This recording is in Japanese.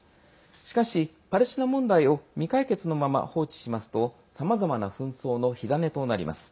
しかし、パレスチナ問題を未解決のまま放置しますとさまざまな紛争の火種となります。